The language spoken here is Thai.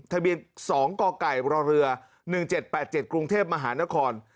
ทะเบียน๒กกรเรือ๑๗๘๗กรุงเทพมหานคร